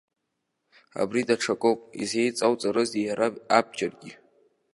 Абри даҽакуп, изеиҵоуҵарызеи иара абџьаргьы!